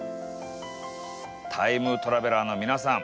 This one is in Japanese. タイムトラベラーの皆さん